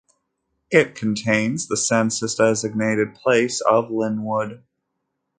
It contains the census designated place of Linwood.